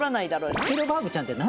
スピルバーグちゃんって何？